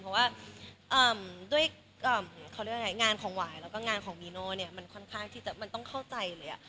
เพราะว่าด้วยงานของวายแล้วก็งานของมีโน่เนี่ยมันต้องเข้าใจเลยอ่ะ